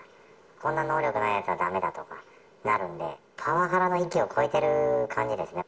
こんな能力ないやつはだめだとかなるんで、パワハラの域を超えてる感じですね。